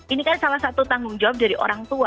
ini kan salah satu tanggung jawab dari orang tua